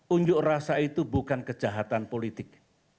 unjuk rasa itu bukan kejahatan politik